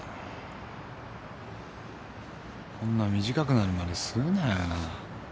こんな短くなるまで吸うなよな。